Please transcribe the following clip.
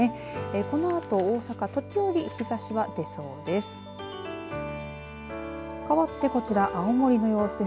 このあと大阪、時折日ざしが出そうです。